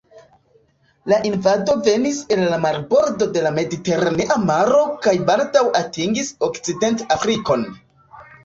La invado venis el la marbordo de la Mediteranea maro kaj baldaŭ atingis Okcident-Afrikon.